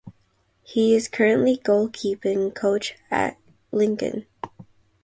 He is currently goalkeeping coach at Lincoln.